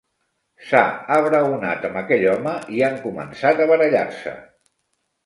S'ha abraonat amb aquell home i han començat a barallar-se.